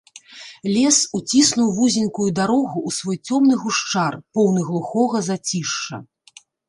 Лес уціснуў вузенькую дарогу ў свой цёмны гушчар, поўны глухога зацішша.